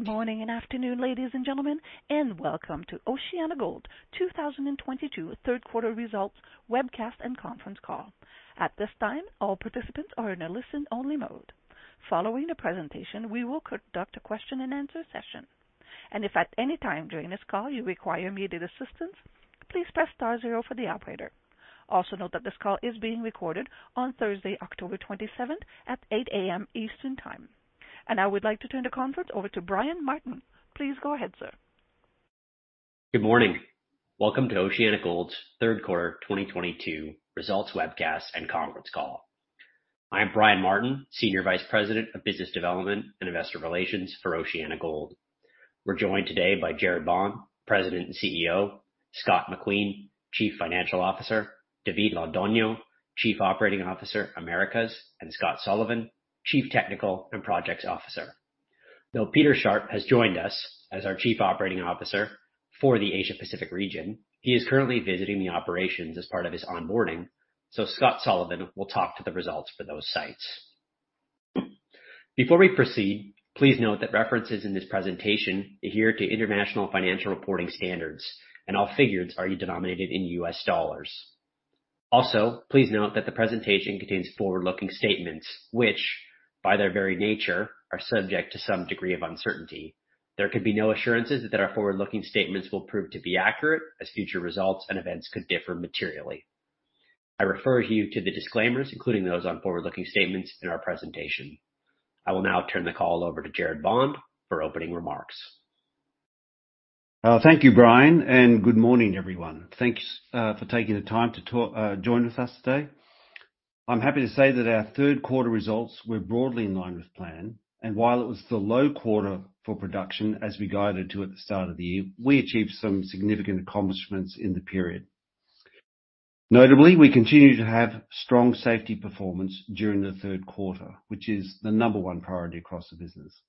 Good morning and afternoon, ladies and gentlemen, and welcome to OceanaGold 2022 Third Quarter Results Webcast and Conference Call. At this time, all participants are in a listen-only mode. Following the presentation, we will conduct a question-and-answer session. If at any time during this call you require immediate assistance, please press star zero for the operator. Also note that this call is being recorded on Thursday, October 27 at 8:00 A.M. Eastern Time. Now I would like to turn the conference over to Brian Martin. Please go ahead, sir. Good morning. Welcome to OceanaGold's Third Quarter 2022 Results Webcast and Conference Call. I'm Brian Martin, Senior Vice President of Business Development and Investor Relations for OceanaGold. We're joined today by Gerard Bond, President and CEO, Scott McQueen, Chief Financial Officer, David Londoño, Chief Operating Officer, Americas, and Scott Sullivan, Chief Technical and Projects Officer. Though Peter Sharpe has joined us as our Chief Operating Officer for the Asia Pacific region, he is currently visiting the operations as part of his onboarding, so Scott Sullivan will talk to the results for those sites. Before we proceed, please note that references in this presentation adhere to international financial reporting standards and all figures are denominated in U.S. dollars. Also, please note that the presentation contains forward-looking statements, which by their very nature, are subject to some degree of uncertainty. There can be no assurances that our forward-looking statements will prove to be accurate, as future results and events could differ materially. I refer you to the disclaimers, including those on forward-looking statements in our presentation. I will now turn the call over to Gerard Bond for opening remarks. Thank you, Brian, and good morning, everyone. Thanks for taking the time to join with us today. I'm happy to say that our third quarter results were broadly in line with plan, and while it was the low quarter for production as we guided to at the start of the year, we achieved some significant accomplishments in the period. Notably, we continue to have strong safety performance during the third quarter, which is the number one priority across the business.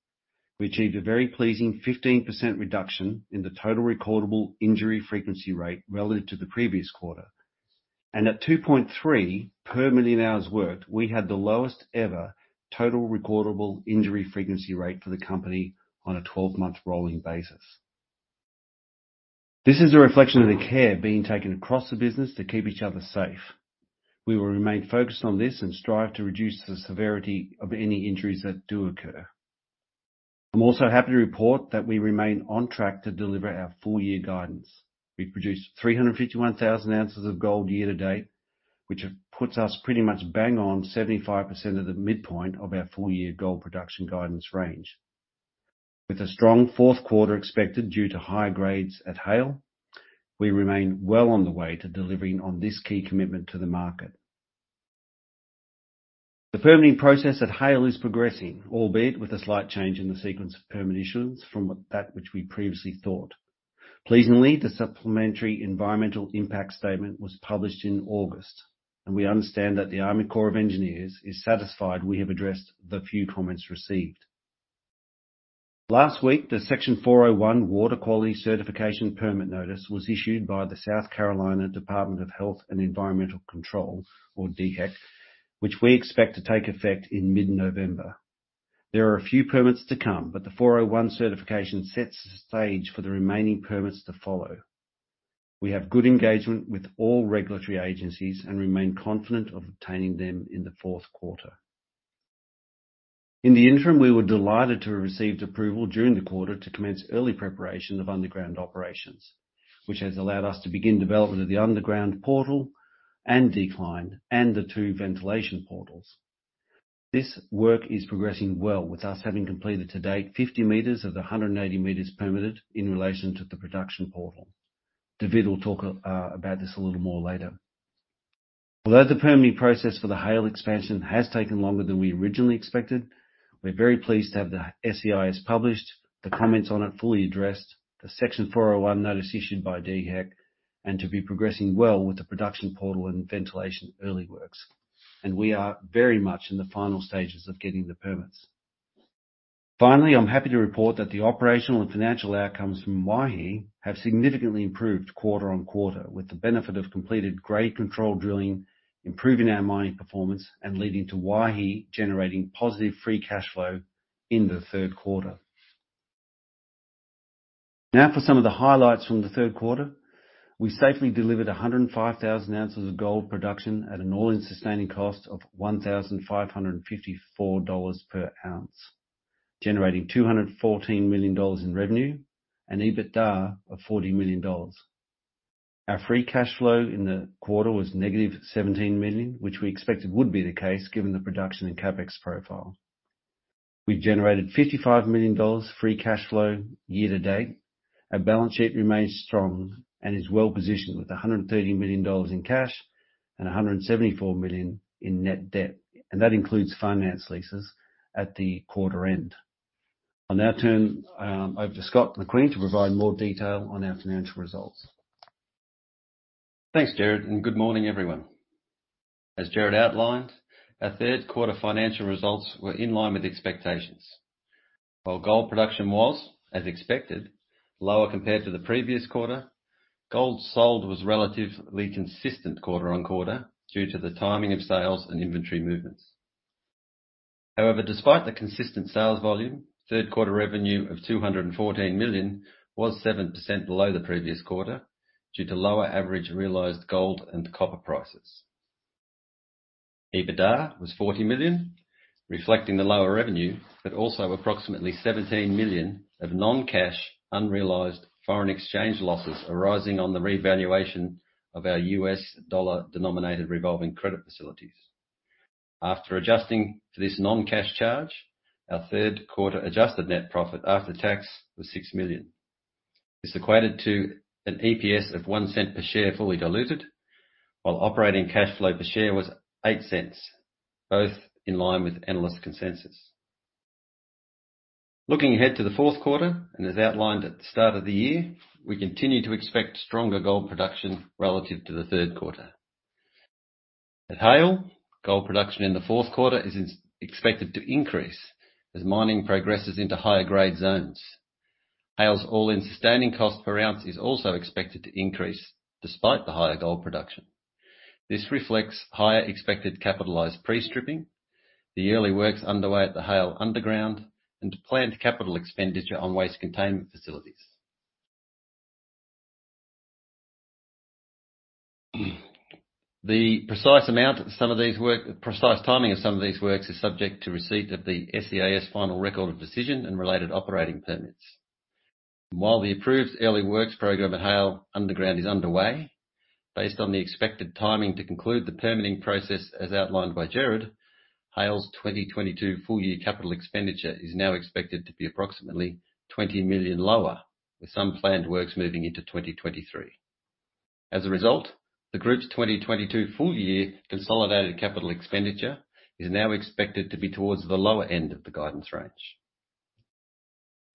We achieved a very pleasing 15% reduction in the total recordable injury frequency rate relative to the previous quarter. At 2.3 per million hours worked, we had the lowest ever total recordable injury frequency rate for the company on a 12-month rolling basis. This is a reflection of the care being taken across the business to keep each other safe. We will remain focused on this and strive to reduce the severity of any injuries that do occur. I'm also happy to report that we remain on track to deliver our full-year guidance. We've produced 351,000 oz of gold year-to-date, which puts us pretty much bang on 75% of the midpoint of our full-year gold production guidance range. With a strong fourth quarter expected due to high grades at Haile, we remain well on the way to delivering on this key commitment to the market. The permitting process at Haile is progressing, albeit with a slight change in the sequence of permit issuance from which we previously thought. Pleasingly, the Supplemental Environmental Impact Statement was published in August, and we understand that the Army Corps of Engineers is satisfied we have addressed the few comments received. Last week, the Section 401 water quality certification permit notice was issued by the South Carolina Department of Health and Environmental Control, or DHEC, which we expect to take effect in mid-November. There are a few permits to come, but the 401 certification sets the stage for the remaining permits to follow. We have good engagement with all regulatory agencies and remain confident of obtaining them in the fourth quarter. In the interim, we were delighted to have received approval during the quarter to commence early preparation of underground operations, which has allowed us to begin development of the underground portal and decline and the two ventilation portals. This work is progressing well with us having completed to date 50 m of the 180 m permitted in relation to the production portal. David will talk about this a little more later. Although the permitting process for the Haile expansion has taken longer than we originally expected, we're very pleased to have the SEIS published, the comments on it fully addressed, the Section 401 notice issued by DHEC, and to be progressing well with the production portal and ventilation early works. We are very much in the final stages of getting the permits. Finally, I'm happy to report that the operational and financial outcomes from Waihi have significantly improved quarter-over-quarter, with the benefit of completed grade control drilling, improving our mining performance, and leading to Waihi generating positive free cash flow in the third quarter. Now for some of the highlights from the third quarter. We safely delivered 105,000 oz of gold production at an all-in sustaining cost of $1,554 per oz, generating $214 million in revenue, and EBITDA of $40 million. Our free cash flow in the quarter was negative $17 million, which we expected would be the case given the production and CapEx profile. We've generated $55 million free cash flow year-to-date. Our balance sheet remains strong and is well positioned with $130 million in cash and $174 million in net debt, and that includes finance leases at the quarter end. I'll now turn over to Scott McQueen to provide more detail on our financial results. Thanks, Gerard, and good morning, everyone. As Gerard outlined, our third quarter financial results were in line with expectations. While gold production was, as expected, lower compared to the previous quarter. Gold sold was relatively consistent quarter-on-quarter due to the timing of sales and inventory movements. However, despite the consistent sales volume, third quarter revenue of $214 million was 7% below the previous quarter due to lower average realized gold and copper prices. EBITDA was $40 million, reflecting the lower revenue, but also approximately $17 million of non-cash unrealized foreign exchange losses arising on the revaluation of our U.S. dollar-denominated revolving credit facilities. After adjusting for this non-cash charge, our third quarter adjusted net profit after tax was $6 million. This equated to an EPS of $0.01 per share, fully diluted, while operating cash flow per share was $0.08, both in line with analyst consensus. Looking ahead to the fourth quarter and as outlined at the start of the year, we continue to expect stronger gold production relative to the third quarter. At Haile, gold production in the fourth quarter is expected to increase as mining progresses into higher grade zones. Haile's all-in sustaining cost per ounce is also expected to increase despite the higher gold production. This reflects higher expected capitalized pre-stripping, the early works underway at the Haile Underground and planned capital expenditure on waste containment facilities. The precise timing of some of these works is subject to receipt of the SEIS final record of decision and related operating permits. While the approved early works program at Haile Underground is underway, based on the expected timing to conclude the permitting process, as outlined by Gerard, Haile's 2022 full year capital expenditure is now expected to be approximately $20 million lower, with some planned works moving into 2023. As a result, the group's 2022 full year consolidated capital expenditure is now expected to be towards the lower end of the guidance range.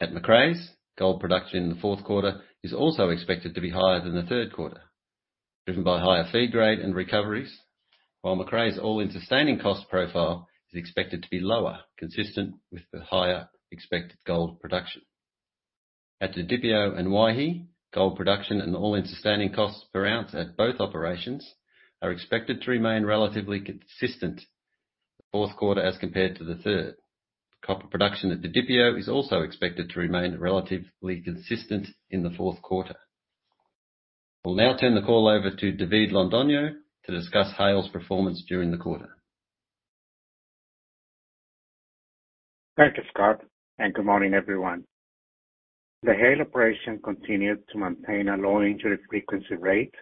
At Macraes, gold production in the fourth quarter is also expected to be higher than the third quarter, driven by higher feed grade and recoveries, while Macraes' all-in sustaining cost profile is expected to be lower, consistent with the higher expected gold production. At the Didipio and Waihi, gold production and all-in sustaining costs per ounce at both operations are expected to remain relatively consistent in the fourth quarter as compared to the third. Copper production at the Didipio is also expected to remain relatively consistent in the fourth quarter. I'll now turn the call over to David Londoño to discuss Haile's performance during the quarter. Thank you, Scott, and good morning, everyone. The Haile operation continued to maintain a low injury frequency rate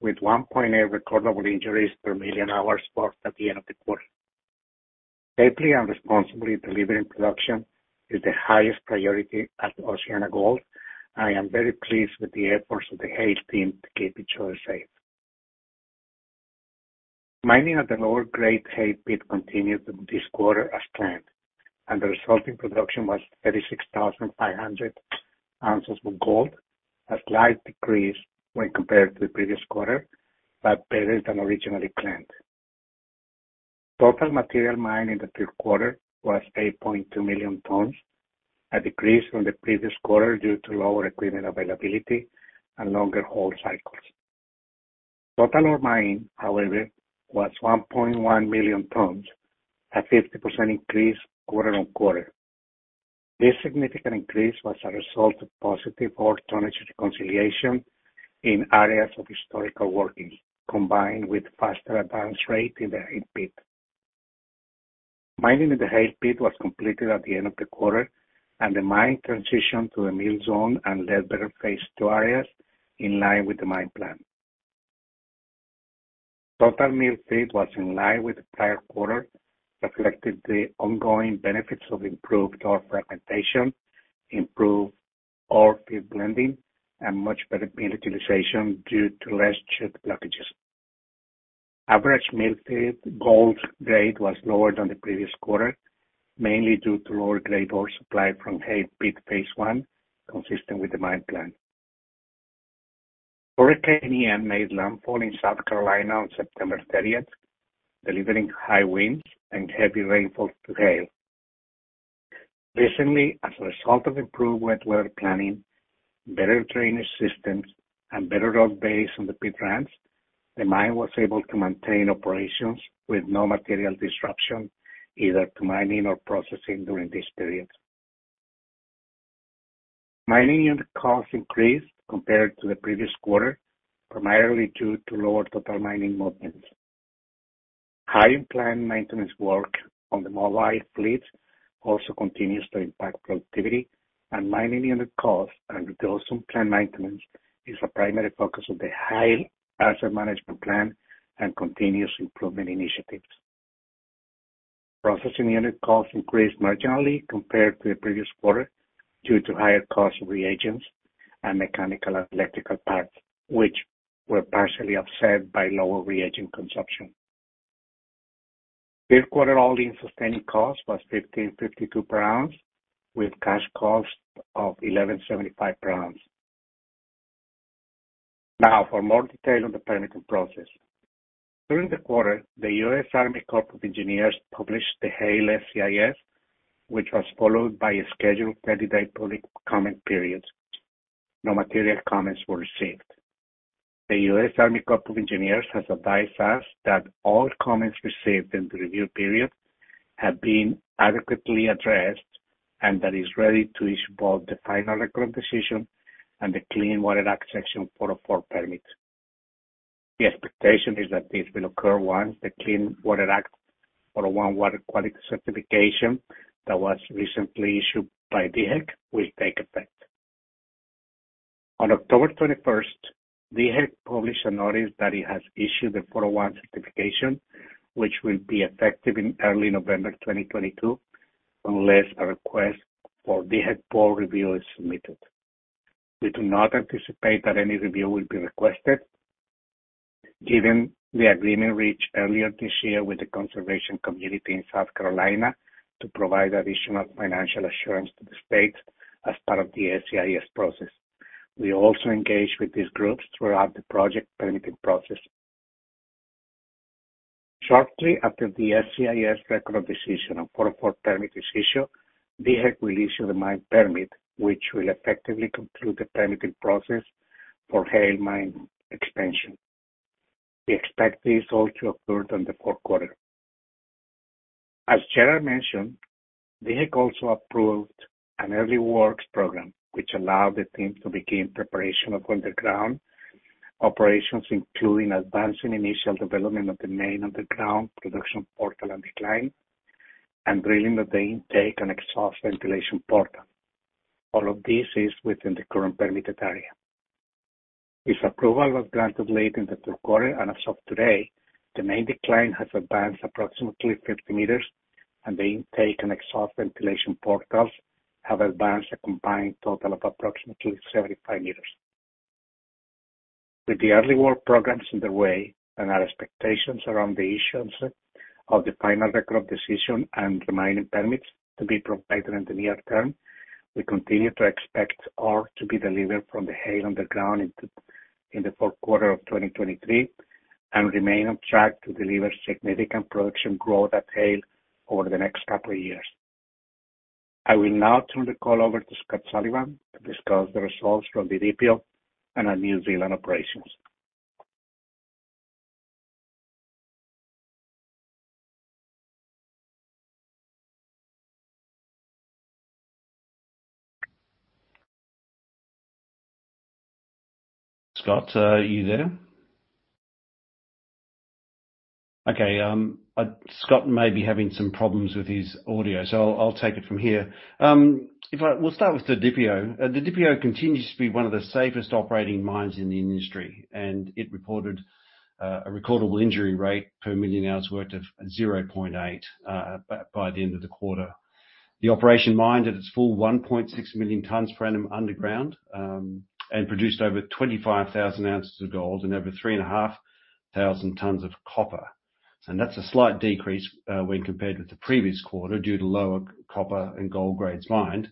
with 1.8 recordable injuries per million hours worked at the end of the quarter. Safely and responsibly delivering production is the highest priority at OceanaGold. I am very pleased with the efforts of the Haile team to keep each other safe. Mining at the lower grade Haile pit continued this quarter as planned, and the resulting production was 36,500 oz of gold, a slight decrease when compared to the previous quarter, but better than originally planned. Total material mined in the third quarter was 8.2 million tons, a decrease from the previous quarter due to lower equipment availability and longer haul cycles. Total ore mined, however, was 1.1 million tons, a 50% increase quarter-over-quarter. This significant increase was a result of positive ore tonnage reconciliation in areas of historical workings, combined with faster advance rate in the pit. Mining in the Haile Pit was completed at the end of the quarter and the mine transitioned to a Mill Zone and Ledbetter phase II areas in line with the mine plan. Total mill feed was in line with the prior quarter, reflecting the ongoing benefits of improved ore fragmentation, improved ore pit blending, and much better mill utilization due to less chute blockages. Average mill feed gold grade was lower than the previous quarter, mainly due to lower-grade ore supply from Haile Pit phase I, consistent with the mine plan. Hurricane Ian made landfall in South Carolina on September 30, delivering high winds and heavy rainfall to Haile. Recently, as a result of improved wet weather planning, better drainage systems, and better road base on the pit ramps, the mine was able to maintain operations with no material disruption either to mining or processing during this period. Mining unit costs increased compared to the previous quarter, primarily due to lower total mining movements. High implant maintenance work on the mobile fleet also continues to impact productivity and mining unit costs, and those on plant maintenance is a primary focus of the Haile Asset Management Plan and continuous improvement initiatives. Processing unit costs increased marginally compared to the previous quarter due to higher cost of reagents and mechanical and electrical parts, which were partially offset by lower reagent consumption. Third quarter all-in sustaining cost was $1,552 per oz, with cash cost of $1,175 per oz. Now for more detail on the permitting process. During the quarter, the U.S. Army Corps of Engineers published the Haile SEIS, which was followed by a scheduled 30-day public comment period. No material comments were received. The United States Army Corps of Engineers has advised us that all comments received in the review period have been adequately addressed, and that it is ready to issue both the final record decision and the Clean Water Act Section 404 permit. The expectation is that this will occur once the Clean Water Act Section 401 water quality certification that was recently issued by DHEC will take effect. On October 21st, DHEC published a notice that it has issued the Section 401 certification, which will be effective in early November 2022, unless a request for DHEC board review is submitted. We do not anticipate that any review will be requested, given the agreement reached earlier this year with the conservation community in South Carolina to provide additional financial assurance to the state as part of the SEIS process. We also engaged with these groups throughout the project permitting process. Shortly after the SEIS record of decision on 404 permit is issued, DHEC will issue the mine permit, which will effectively conclude the permitting process for Haile Mine expansion. We expect this all to occur in the fourth quarter. As Gerard mentioned, DHEC also approved an early works program which allowed the team to begin preparation of underground operations, including advancing initial development of the main underground production portal and decline, and drilling of the intake and exhaust ventilation portal. All of this is within the current permitted area. This approval was granted late in the third quarter, and as of today, the main decline has advanced approximately 50 m and the intake and exhaust ventilation portals have advanced a combined total of approximately 75 m. With the early work programs underway and our expectations around the issuance of the final record decision and the mining permits to be provided in the near term, we continue to expect ore to be delivered from the Haile Underground in the fourth quarter of 2023, and remain on track to deliver significant production growth at Haile over the next couple of years. I will now turn the call over to Scott Sullivan to discuss the results from the Didipio and our New Zealand operations. Scott, are you there? Okay, Scott may be having some problems with his audio, so I'll take it from here. We'll start with the Didipio. The Didipio continues to be one of the safest operating mines in the industry, and it reported a recordable injury rate per million hours worked of 0.8 by the end of the quarter. The operation mined at its full 1.6 million tons per annum underground and produced over 25,000 oz of gold and over 3,500 tons of copper. That's a slight decrease when compared with the previous quarter due to lower copper and gold grades mined,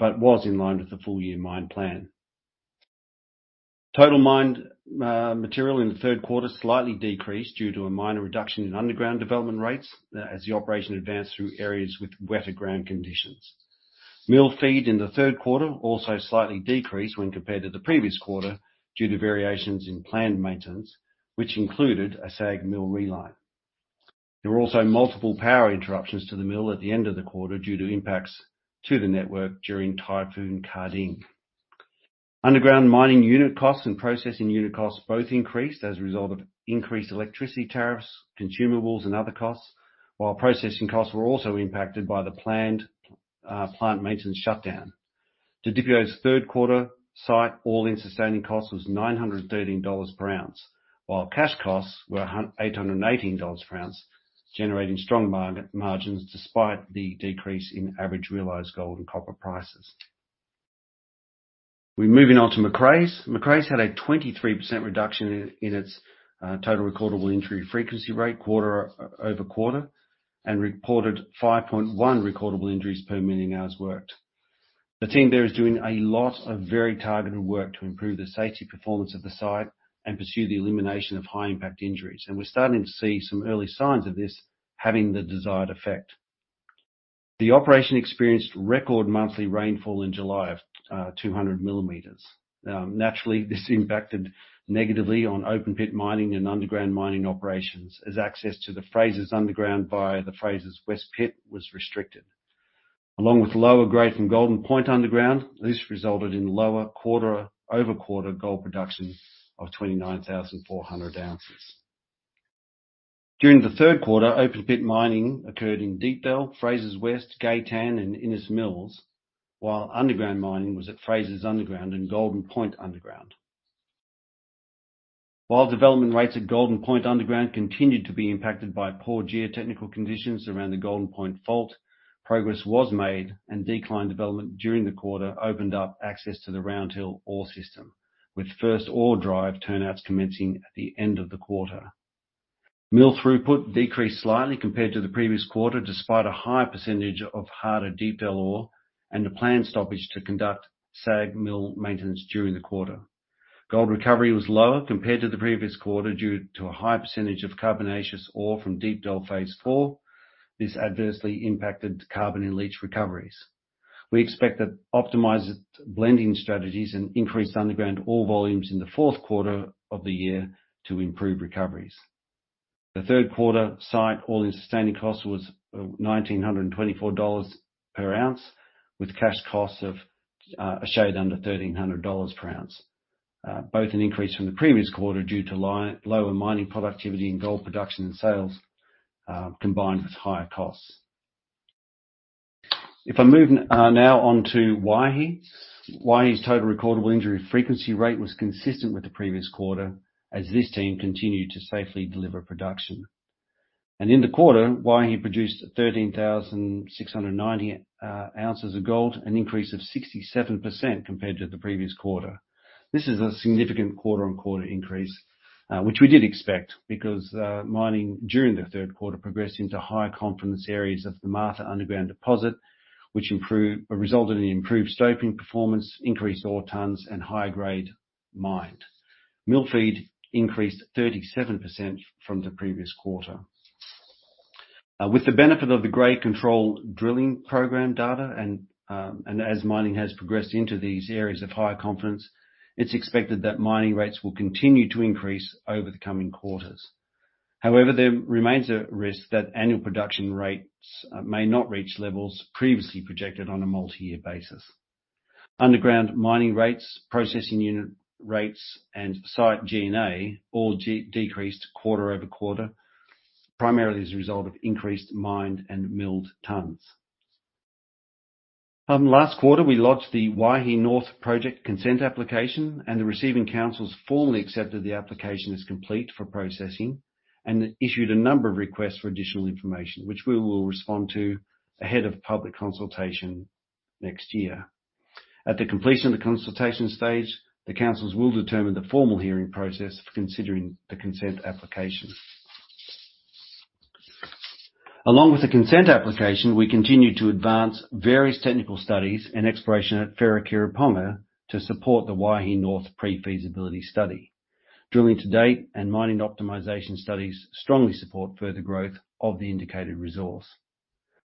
but was in line with the full year mine plan. Total mined material in the third quarter slightly decreased due to a minor reduction in underground development rates as the operation advanced through areas with wetter ground conditions. Mill feed in the third quarter also slightly decreased when compared to the previous quarter due to variations in planned maintenance, which included a SAG mill reline. There were also multiple power interruptions to the mill at the end of the quarter due to impacts to the network during Typhoon Karding. Underground mining unit costs and processing unit costs both increased as a result of increased electricity tariffs, consumables, and other costs, while processing costs were also impacted by the planned plant maintenance shutdown. Didipio's third quarter site all-in sustaining cost was $913 per oz, while cash costs were $818 per oz, generating strong margins despite the decrease in average realized gold and copper prices. We're moving on to Macraes. Macraes had a 23% reduction in its total recordable injury frequency rate quarter-over-quarter, and reported 5.1 recordable injuries per million hours worked. The team there is doing a lot of very targeted work to improve the safety performance of the site and pursue the elimination of high impact injuries, and we're starting to see some early signs of this having the desired effect. The operation experienced record monthly rainfall in July of 200 mm. Naturally, this impacted negatively on open pit mining and underground mining operations as access to the Frasers Underground via the Frasers West pit was restricted. Along with lower grade from Golden Point Underground, this resulted in lower quarter-over-quarter gold production of 29,400 oz. During the third quarter, open pit mining occurred in Deepdell, Frasers West, Cayton and Innes Mills, while underground mining was at Frasers Underground and Golden Point Underground. While development rates at Golden Point Underground continued to be impacted by poor geotechnical conditions around the Golden Point fault, progress was made, and decline development during the quarter opened up access to the Round Hill ore system, with first ore drive turnouts commencing at the end of the quarter. Mill throughput decreased slightly compared to the previous quarter, despite a higher percentage of harder Deepdell ore and a planned stoppage to conduct SAG mill maintenance during the quarter. Gold recovery was lower compared to the previous quarter due to a high percentage of carbonaceous ore from Deepdell phase IV. This adversely impacted carbon-in-leach recoveries. We expect that optimized blending strategies and increased underground ore volumes in the fourth quarter of the year to improve recoveries. The third quarter site all-in sustaining cost was $1,924 per oz, with cash costs of a shade under $1,300 per oz. Both an increase from the previous quarter due to lower mining productivity and gold production and sales combined with higher costs. If I move now on to Waihi. Waihi's total recordable injury frequency rate was consistent with the previous quarter as this team continued to safely deliver production. In the quarter, Waihi produced 13,690 oz of gold, an increase of 67% compared to the previous quarter. This is a significant quarter-on-quarter increase, which we did expect because mining during the third quarter progressed into higher confidence areas of the Martha underground deposit, which resulted in improved stope performance, increased ore tons, and higher grade mined. Mill feed increased 37% from the previous quarter. With the benefit of the grade control drilling program data and as mining has progressed into these areas of higher confidence, it's expected that mining rates will continue to increase over the coming quarters. However, there remains a risk that annual production rates may not reach levels previously projected on a multi-year basis. Underground mining rates, processing unit rates, and site G&A all decreased quarter-over-quarter, primarily as a result of increased mined and milled tons. Last quarter, we lodged the Waihi North project consent application, and the receiving councils formally accepted the application as complete for processing and issued a number of requests for additional information, which we will respond to ahead of public consultation next year. At the completion of the consultation stage, the councils will determine the formal hearing process for considering the consent application. Along with the consent application, we continue to advance various technical studies and exploration at Wharekirauponga to support the Waihi North pre-feasibility study. Drilling to date and mining optimization studies strongly support further growth of the indicated resource.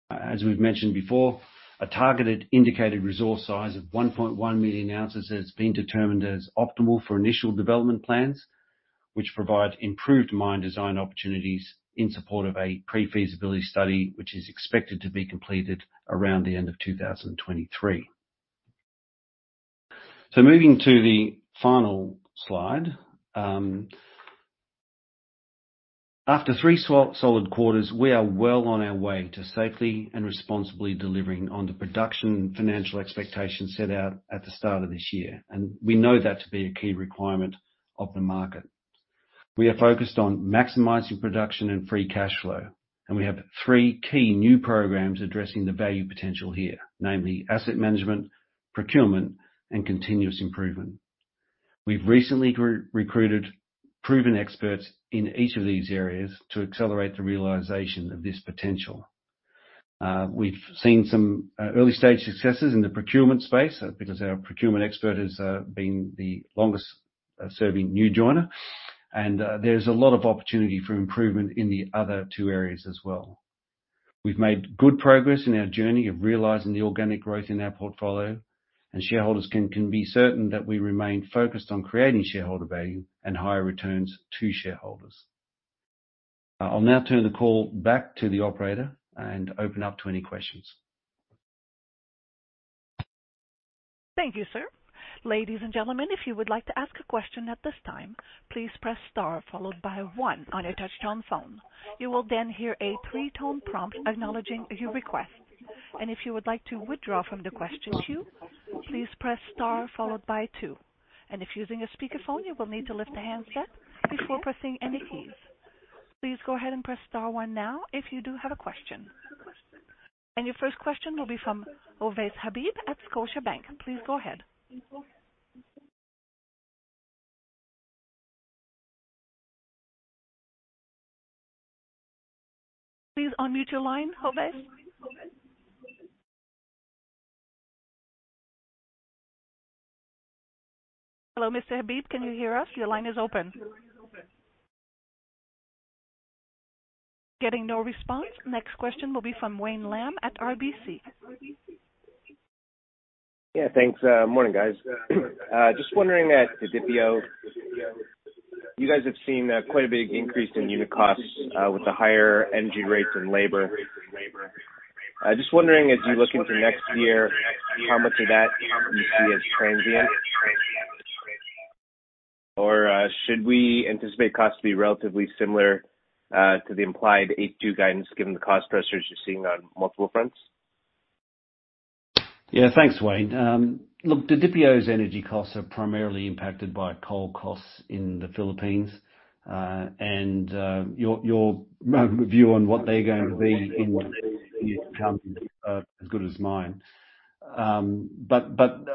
As we've mentioned before, a targeted indicated resource size of 1.1 million oz has been determined as optimal for initial development plans, which provide improved mine design opportunities in support of a pre-feasibility study, which is expected to be completed around the end of 2023. Moving to the final slide. After three solid quarters, we are well on our way to safely and responsibly delivering on the production and financial expectations set out at the start of this year. We know that to be a key requirement of the market. We are focused on maximizing production and free cash flow, and we have three key new programs addressing the value potential here, namely asset management, procurement, and continuous improvement. We've recently recruited proven experts in each of these areas to accelerate the realization of this potential. We've seen some early-stage successes in the procurement space because our procurement expert has been the longest serving new joiner, and there's a lot of opportunity for improvement in the other two areas as well. We've made good progress in our journey of realizing the organic growth in our portfolio, and shareholders can be certain that we remain focused on creating shareholder value and higher returns to shareholders. I'll now turn the call back to the operator and open up to any questions. Thank you, sir. Ladies and gentlemen, if you would like to ask a question at this time, please press star followed by one on your touch-tone phone. You will then hear a three-tone prompt acknowledging your request. If you would like to withdraw from the question queue, please press star followed by two. If using a speakerphone, you will need to lift the handset before pressing any keys. Please go ahead and press star one now if you do have a question. Your first question will be from Ovais Habib at Scotiabank. Please go ahead. Please unmute your line, Ovais. Hello, Mr. Habib, can you hear us? Your line is open. Getting no response. Next question will be from Wayne Lam at RBC. Yeah, thanks. Morning, guys. Just wondering at Didipio, you guys have seen quite a big increase in unit costs with the higher energy rates and labor. I just wondering as you look into next year, how much of that you see as transient? Or, should we anticipate costs to be relatively similar to the implied H2 guidance given the cost pressures you're seeing on multiple fronts? Yeah. Thanks, Wayne. Look, Didipio's energy costs are primarily impacted by coal costs in the Philippines, and your view on what they're going to be in the next few years is as good as mine.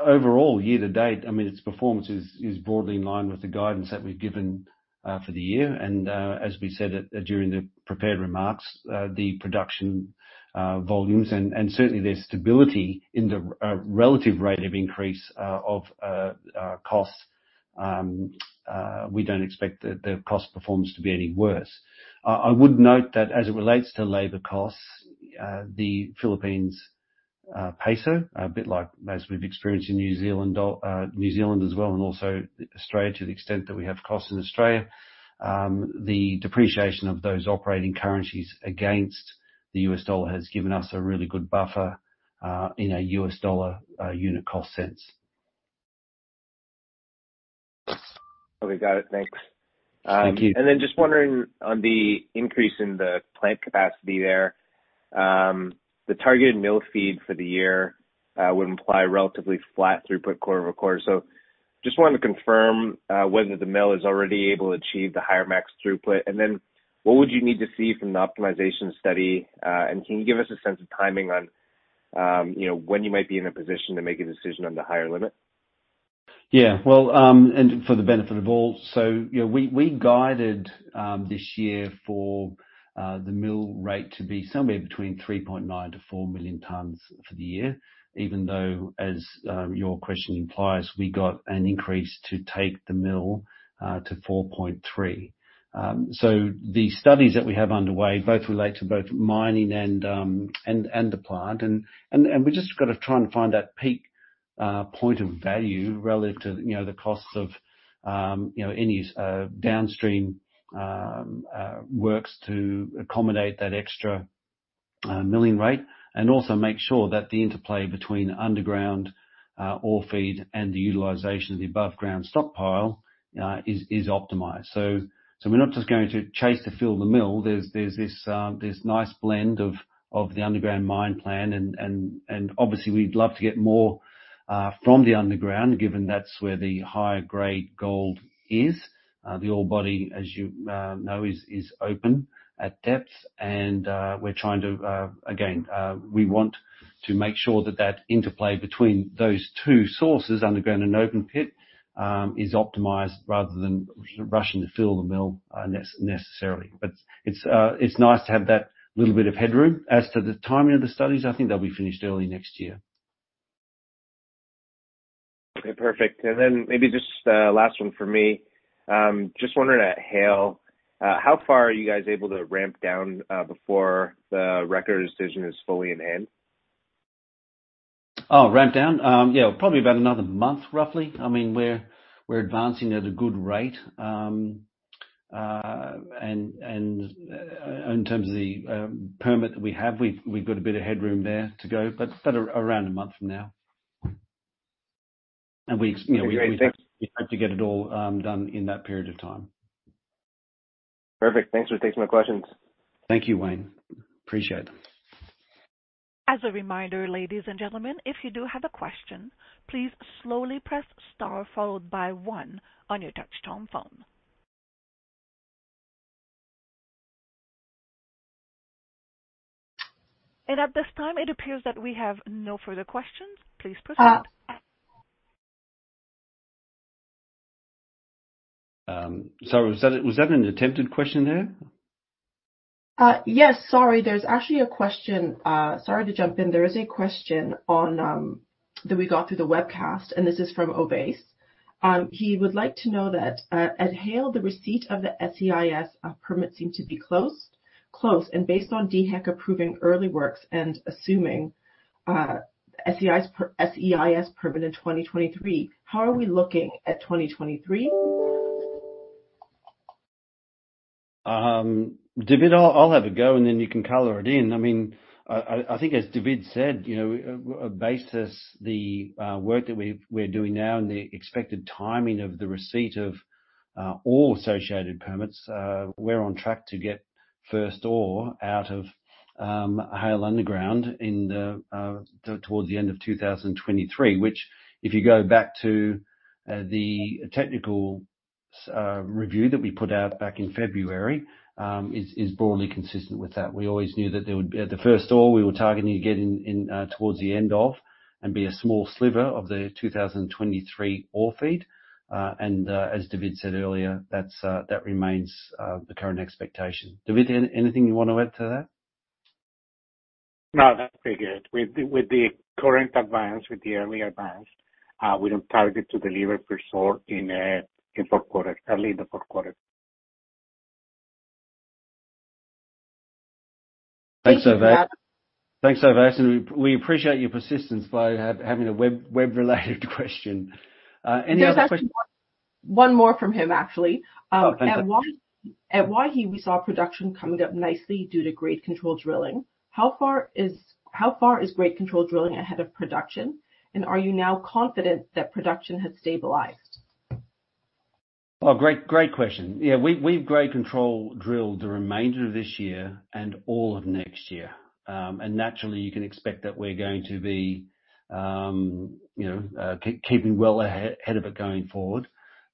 Overall, year-to-date, I mean, its performance is broadly in line with the guidance that we've given for the year. As we said during the prepared remarks, the production volumes and certainly their stability in the relative rate of increase of costs. We don't expect the cost performance to be any worse. I would note that as it relates to labor costs, the Philippine peso, a bit like as we've experienced in New Zealand as well and also Australia, to the extent that we have costs in Australia, the depreciation of those operating currencies against the U.S. dollar has given us a really good buffer in a U.S. dollar unit cost sense. Okay, got it. Thanks. Thank you. Just wondering on the increase in the plant capacity there, the targeted mill feed for the year would imply relatively flat throughput quarter-over-quarter. Just wanted to confirm whether the mill is already able to achieve the higher max throughput. What would you need to see from the optimization study, and can you give us a sense of timing on when you might be in a position to make a decision on the higher limit? Yeah. Well, for the benefit of all, you know, we guided this year for the mill rate to be somewhere between 3.9 million-4 million tons for the year, even though, as your question implies, we got an increase to take the mill to 4.3 million tons. The studies that we have underway both relate to mining and the plant. We just gotta try and find that peak point of value relative to, you know, the costs of, you know, any downstream works to accommodate that extra milling rate, and also make sure that the interplay between underground ore feed and the utilization of the above ground stockpile is optimized. We're not just going to chase to fill the mill. There's this nice blend of the underground mine plan and obviously we'd love to get more from the underground, given that's where the higher grade gold is. The ore body, as you know, is open at depth. Again, we want to make sure that that interplay between those two sources, underground and open pit, is optimized rather than rushing to fill the mill, necessarily. But it's nice to have that little bit of headroom. As to the timing of the studies, I think they'll be finished early next year. Okay, perfect. Maybe just last one from me. Just wondering at Haile, how far are you guys able to ramp down before the record decision is fully in hand? Oh, ramp down? Yeah, probably about another month, roughly. I mean, we're advancing at a good rate. In terms of the permit that we have, we've got a bit of headroom there to go. But around a month from now. Okay, great. Thanks. You know, we hope to get it all done in that period of time. Perfect. Thanks for taking my questions. Thank you, Wayne. Appreciate it. As a reminder, ladies and gentlemen, if you do have a question, please slowly press star followed by one on your touch-tone phone. At this time, it appears that we have no further questions. Please proceed. Sorry, was that an attempted question there? Yes. Sorry, there's actually a question. Sorry to jump in. There is a question on that we got through the webcast, and this is from Ovais. He would like to know that at Haile, the receipt of the SEIS permit seemed to be close. Based on DHEC approving early works and assuming SEIS permit in 2023, how are we looking at 2023? David, I'll have a go, and then you can color it in. I mean, I think as David said, you know, based on the work that we're doing now and the expected timing of the receipt of all associated permits, we're on track to get first ore out of Haile Underground towards the end of 2023. Which, if you go back to the technical review that we put out back in February, is broadly consistent with that. We always knew that there would be. The first ore we were targeting to get in towards the end of, and be a small sliver of the 2023 ore feed. As David said earlier, that remains the current expectation. David, anything you wanna add to that? No, that's pretty good. With the current advance, with the early advance, we are targeted to deliver first ore in fourth quarter, early in the fourth quarter. Thanks, Ovais. We appreciate your persistence by having a web-related question. Any other questions? There's actually one more from him, actually. Oh, okay. At Waihi we saw production coming up nicely due to grade control drilling. How far is grade control drilling ahead of production? Are you now confident that production has stabilized? Oh, great question. Yeah, we've grade control drilled the remainder of this year and all of next year. Naturally, you can expect that we're going to be, you know, keeping well ahead of it going forward.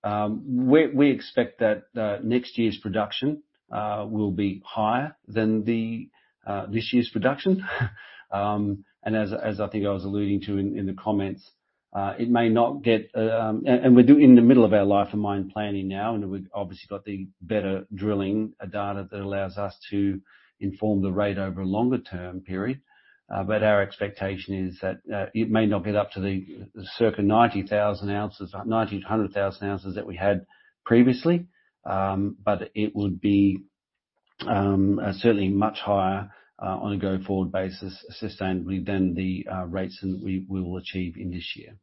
We expect that next year's production will be higher than this year's production. As I think I was alluding to in the comments, it may not get. We're due in the middle of our life of mine planning now, and we've obviously got the better drilling data that allows us to inform the rate over a longer-term period. Our expectation is that it may not get up to the circa 90,000 oz, 90,000 oz-100,000 oz that we had previously. It would be certainly much higher on a go-forward basis sustainably than the rates that we will achieve in this year.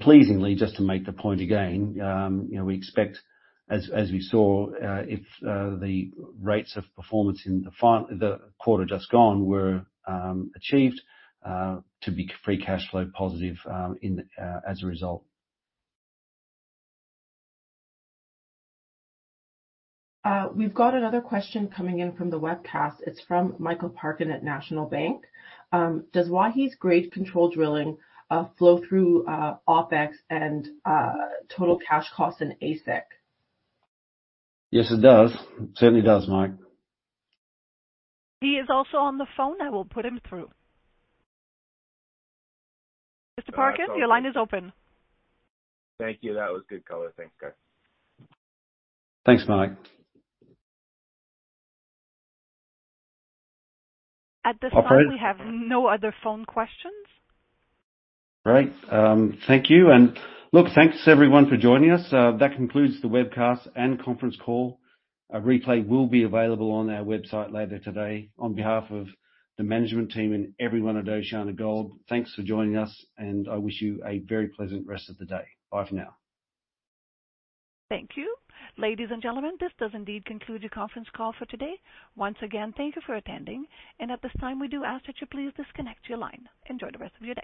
Pleasingly, just to make the point again, you know, we expect, as we saw, if the rates of performance in the quarter just gone were achieved, to be free cash flow positive as a result. We've got another question coming in from the webcast. It's from Michael Parkin at National Bank. Does Waihi's grade control drilling flow through OPEX and total cash costs in AISC? Yes, it does. Certainly does, Mike. He is also on the phone. I will put him through. Mr. Parkin, your line is open. Thank you. That was good color. Thanks, guys. Thanks, Mike. At this time. Operator. We have no other phone questions. Great. Thank you. Look, thanks everyone for joining us. That concludes the webcast and conference call. A replay will be available on our website later today. On behalf of the management team and everyone at OceanaGold, thanks for joining us, and I wish you a very pleasant rest of the day. Bye for now. Thank you. Ladies and gentlemen, this does indeed conclude your conference call for today. Once again, thank you for attending. At this time, we do ask that you please disconnect your line. Enjoy the rest of your day.